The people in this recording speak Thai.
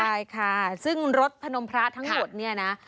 ใช่ค่ะซึ่งรถพนมพระทั้งหมดเนี่ยนะ